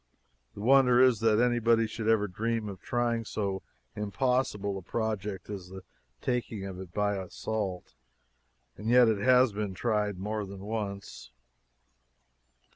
The wonder is that anybody should ever dream of trying so impossible a project as the taking it by assault and yet it has been tried more than once.